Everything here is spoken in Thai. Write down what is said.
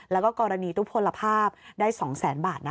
แล้วก็กรณีตุพลภาพได้๒แสนบาท